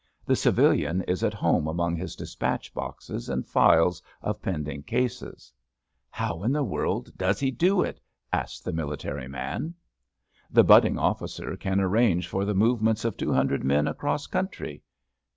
The civilian is at home among his despatch boxes and files of pending cases. How in the world does he do it? " asks the military man. The budding officer can ar range for the movements of two hundred men across country.